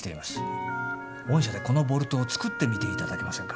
御社でこのボルトを作ってみていただけませんか？